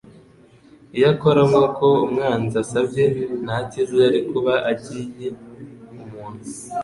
Iyo akora nk'uko umwanzi asabye, nta cyiza yari kuba aginye umuntu,